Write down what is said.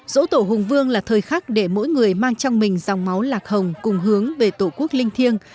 dỗ tổ hùng vương là thời khắc để mỗi người mang trong mình dòng máu lạc hồng cùng hướng về tổ quốc linh thiêng